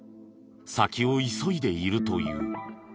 先を急いでいるという。